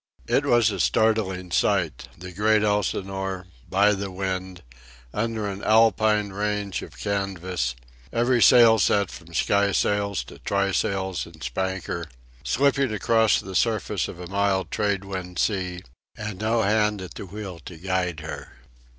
It was a startling sight—the great Elsinore, by the wind, under an Alpine range of canvas, every sail set from skysails to try sails and spanker, slipping across the surface of a mild trade wind sea, and no hand at the wheel to guide her.